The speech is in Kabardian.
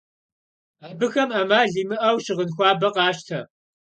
Abıxem 'emal yimı'eu şığın xuabe khaşte.